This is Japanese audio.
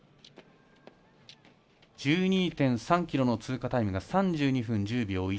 １２．３ｋｍの通過タイムが３２分１０秒１。